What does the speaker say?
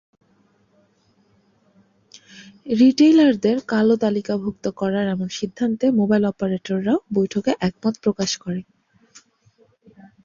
রিটেইলারদের কালো তালিকাভুক্ত করার এমন সিদ্ধান্তে মোবাইল অপারেটররাও বৈঠকে একমত প্রকাশ করে।